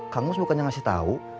kang mus bukannya ngasih tau